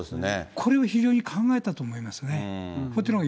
これは非常に考えたと思いますよね。